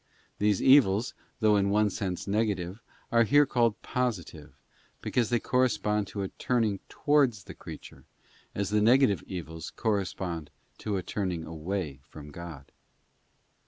These evils, though in one sense negative, are here called positive, because they correspond to a turning towards the creature, as the negative evils correspond to a turning away from God.